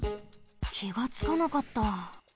きがつかなかった。